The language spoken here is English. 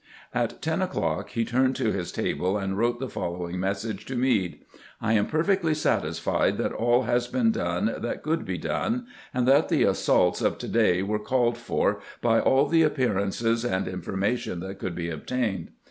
At ten o'clock he turned to his table and wrote the following message to Meade :" I am perfectly satisfied that all has been done that could be done, and that the assaults of to day were called for by all the appearances and infor mation that could be obtained.